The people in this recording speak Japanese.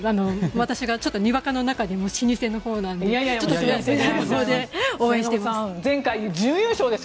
私がにわかの中でも老舗のほうなので応援しています。